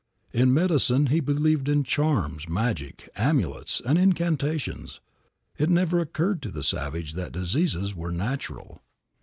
In medicine he believed in charms, magic, amulets, and incantations. It never occurred to the savage that diseases were natural.